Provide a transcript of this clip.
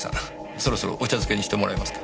そろそろお茶漬けにしてもらえますか。